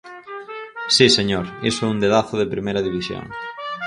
Si, señor, iso é un dedazo de primeira división.